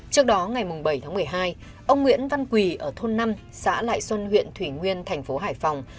trước đó ngày bảy tháng một mươi hai ông nguyễn văn quỳ ở thôn năm xã lại xuân huyện thủy nguyên thành phố hải phòng